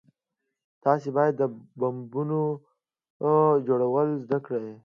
تاسې بايد د بمونو جوړول زده کئ.